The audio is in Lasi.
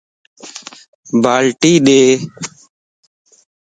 بالٽي ڏي